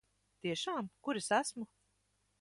Tiešām? Kur es esmu?